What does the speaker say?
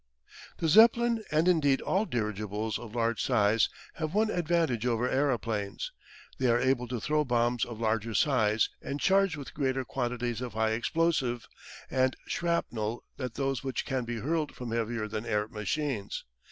The Zeppelin, and indeed all dirigibles of large size, have one advantage over aeroplanes. They are able to throw bombs of larger size and charged with greater quantities of high explosive and shrapnel than those which can be hurled from heavier than air machines.